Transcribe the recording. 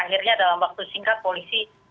akhirnya dalam waktu singkat polisi